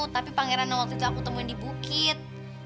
tapi pangeran waktu itu aku temuin di bukit